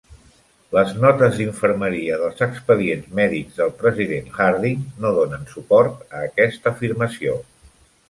Les notes d'infermeria dels expedients mèdics del president Harding no donen suport a aquesta afirmació.